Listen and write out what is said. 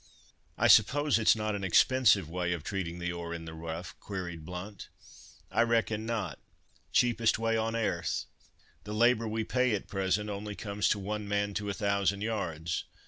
"I suppose it's not an expensive way of treating the ore in the rough?" queried Blount. "I reckon not. Cheapest way on airth. The labour we pay at present only comes to one man to a thousand yards.